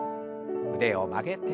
腕を曲げて。